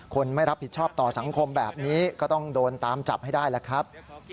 ไม่รับผิดชอบต่อสังคมแบบนี้ก็ต้องโดนตามจับให้ได้แหละครับ